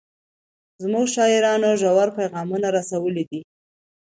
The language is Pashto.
زموږ شاعرانو ژور پیغامونه رسولي دي.